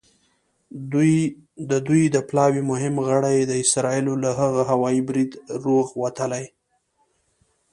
د دوی د پلاوي مهم غړي د اسرائیل له هغه هوايي بریده روغ وتلي.